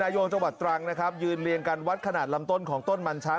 โยงจังหวัดตรังนะครับยืนเรียงกันวัดขนาดลำต้นของต้นมันช้าง